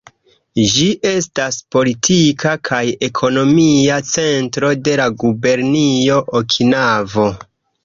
Ĝi estas politika kaj ekonomia centro de la Gubernio Okinavo.